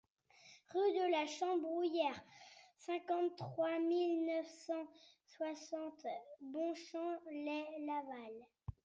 Rue de la Chambrouillère, cinquante-trois mille neuf cent soixante Bonchamp-lès-Laval